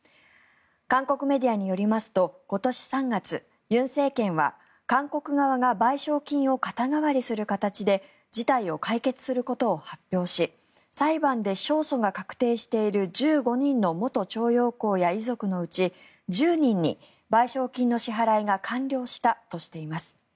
韓国メディアによりますと今年３月、尹政権は韓国側が賠償金を肩代わりする形で事態を解決することを発表し裁判で勝訴が確定している１５人の元徴用工や遺族のうち１０人に賠償金の支払いが完了したとしています。